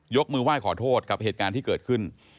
มือไหว้ขอโทษกับเหตุการณ์ที่เกิดขึ้น